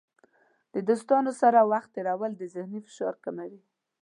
د دوستانو سره وخت تیرول د ذهني فشار کموي.